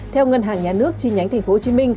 theo ngân hàng nhà nước chi nhánh tp hcm